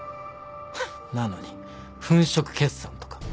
フッなのに粉飾決算とか。